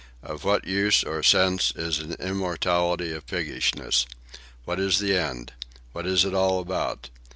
Of what use or sense is an immortality of piggishness? What is the end? What is it all about?